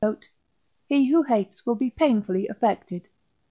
note), he who hates will be painfully affected.